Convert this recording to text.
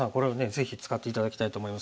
ぜひ使って頂きたいと思います。